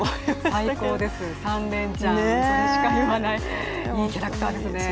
最高です、３連チャン、それしか言わない、いいキャラクターですね。